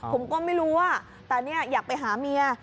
ผมก็ไม่รู้แต่เนี่ยอยากไปหาเมีย